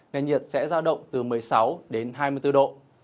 nền nhiệt sẽ ra động từ một mươi sáu hai mươi bốn độ